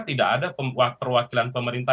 tidak ada perwakilan pemerintah